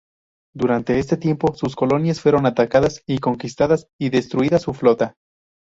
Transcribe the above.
Durante este tiempo, sus colonias fueron atacadas y conquistadas y destruida su flota.